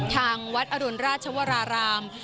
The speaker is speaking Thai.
ทางวัดอรุณราชวราราม